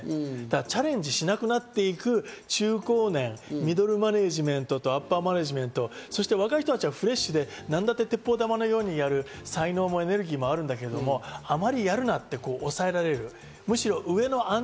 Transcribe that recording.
チャレンジしなくなっていく中高年、ミドルマネジメントとアッパーマネジメント、若い人たちはフレッシュでなんだって鉄砲玉のようにやる、才能もエネルギーもあるんだけど、あまりやるなって抑えられる。